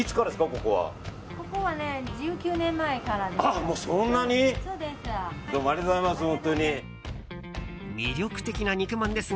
ここはね、１９年前からです。